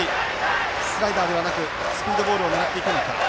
スライダーではなくスピードボールを狙っていくのか。